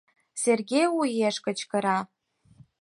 — Сергей уэш кычкыра.